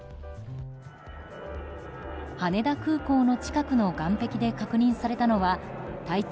羽田空港の近くの岸壁で確認されたのは体長